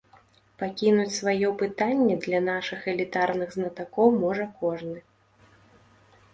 Пакінуць сваё пытанне для нашых элітарных знатакоў можа кожны.